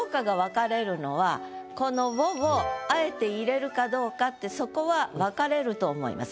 この「を」をあえて入れるかどうかってそこは分かれると思います。